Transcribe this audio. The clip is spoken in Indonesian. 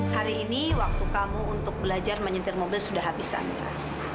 hari ini waktu kamu untuk belajar menyentir mobil sudah habis anda